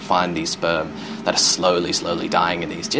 dan menemukan sperma yang sedikit sedikit mati di dalam tisu ini